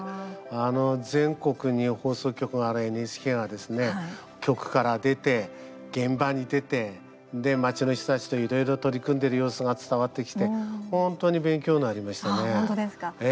全国に放送局があるＮＨＫがですね、局から出て現場に出て、街の人たちといろいろ取り組んでいる様子が伝わってきて本当に勉強になりましたね。